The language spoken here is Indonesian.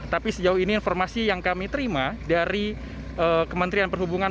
tapi sejauh ini informasi yang kami terima dari kementerian perhubungan